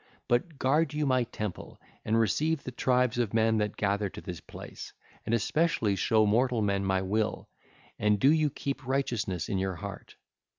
But guard you my temple and receive the tribes of men that gather to this place, and especially show mortal men my will, and do you keep righteousness in your heart.